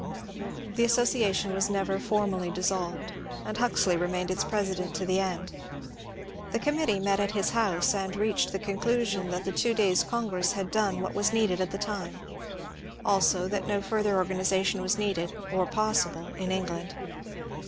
The association was never formally dissolved, and Huxley remained its president to the end. The committee met at his house and reached the conclusion that the two days' congress had done what was needed at the time ; also that no further organization was needed or possible in England.